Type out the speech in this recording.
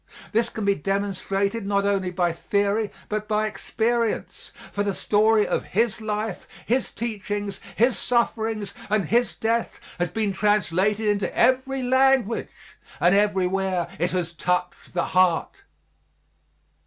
This can be demonstrated not only by theory but by experience, for the story of His life, His teachings, His sufferings and His death has been translated into every language and everywhere it has touched the heart.